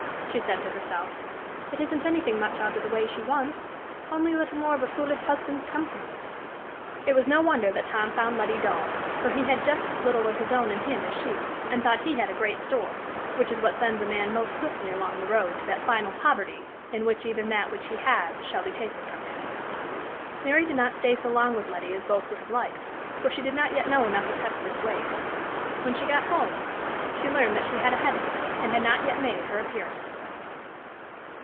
she said to herself, "it isn't anything much out of the way she wants only a little more of a foolish husband's company!" It was no wonder that Tom found Letty dull, for he had just as little of his own in him as she, and thought he had a great store which is what sends a man most swiftly along the road to that final poverty in which even that which he has shall be taken from him. Mary did not stay so long with Letty as both would have liked, for she did not yet know enough of Hesper's ways. When she got home, she learned that she had a headache, and had not yet made her appearance.